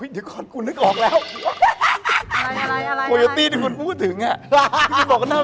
เฮ้ยเดี๋ยวก่อนก็นึกออกแล้ว